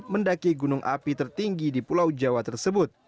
mendaki gunung api tertinggi di pulau jawa tersebut